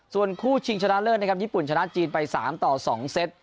ส่วนคู่ชิงชนะเลิศนะครับญี่ปุ่นชนะจีนไป๓ต่อ๒เซต